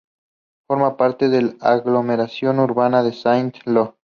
Forma parte de la aglomeración urbana de Saint-Lô.